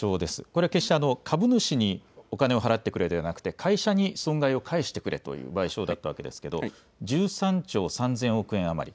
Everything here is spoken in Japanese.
これは決して株主にお金を払ってくれではなくて、会社に損害を返してくれという賠償だったわけですけれども、１３兆３０００億円余り。